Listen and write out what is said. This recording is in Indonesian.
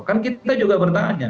kan kita juga bertanya